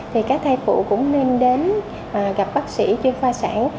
thì các thai phụ cũng nên đến gặp bác sĩ chuyên khoa sản